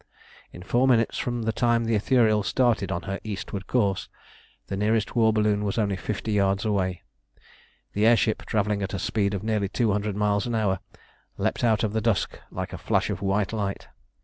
In four minutes from the time the Ithuriel started on her eastward course the nearest war balloon was only fifty yards away. The air ship, travelling at a speed of nearly two hundred miles an hour, leapt out of the dusk like a flash of white light.